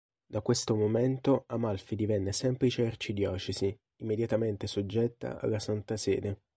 Da questo momento, Amalfi divenne semplice arcidiocesi, immediatamente soggetta alla Santa Sede.